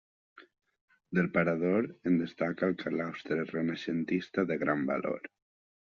Del parador en destaca el claustre renaixentista de gran valor.